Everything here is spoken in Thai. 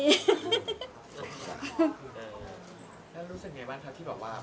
สงสัย